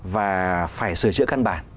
và phải sửa chữa